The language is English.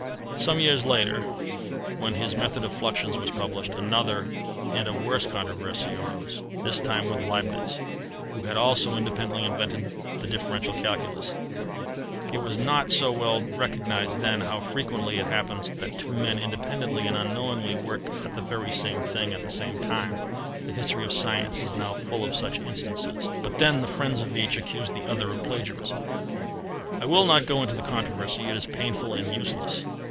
Some years later, when his method of fluxions was published, another and a worse controversy arose this time with Leibnitz, who had also independently invented the differential calculus. It was not so well recognized then how frequently it happens that two men independently and unknowingly work at the very same thing at the same time. The history of science is now full of such instances; but then the friends of each accused the other of plagiarism. I will not go into the controversy: it is painful and useless.